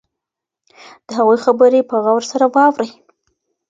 د هغوی خبرې په غور سره واورئ.